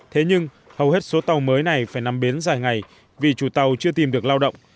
thế nhưng hầu hết số tàu mới này phải nằm bến dài ngày vì chủ tàu chưa tìm được lao động